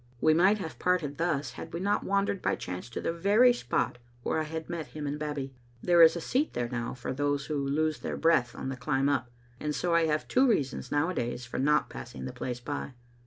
We might have parted thus had we not wandered by chance to the very spot where I had met him and Babbie. There is a seat there now for those who lose their breath on the climb up, and so I have two reasons nowadays for not passing the place by.